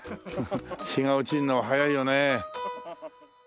日が落ちるのは早いよね。